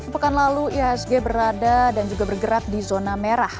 pekan lalu ihsg berada dan juga bergerak di zona merah